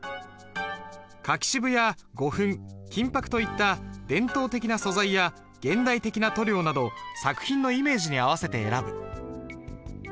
柿渋や胡粉金箔といった伝統的な素材や現代的な塗料など作品のイメージに合わせて選ぶ。